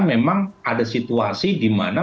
memang ada situasi di mana